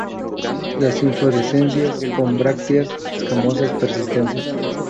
Las inflorescencias con brácteas escamosas persistentes.